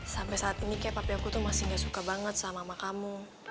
sampai saat ini kayak aku tuh masih gak suka banget sama mama kamu